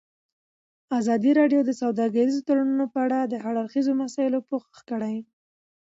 ازادي راډیو د سوداګریز تړونونه په اړه د هر اړخیزو مسایلو پوښښ کړی.